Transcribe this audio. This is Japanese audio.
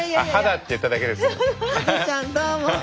ハゼちゃんどうも。